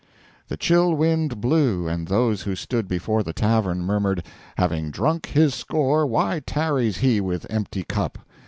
The chill Wind blew, and those who stood before The Tavern murmured, 'Having drunk his Score, Why tarries He with empty Cup?